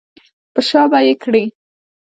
په شا به یې کړې.